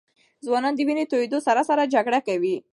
ځوانان د وینې د تویېدو سره سره جګړه کوي.